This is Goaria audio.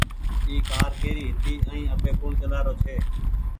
اي ڪآر ڪيري هيتي ائين اٻي ڪوڻ چلآرو ڇي۔